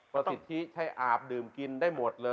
ประสิทธิใช้อาบดื่มกินได้หมดเลย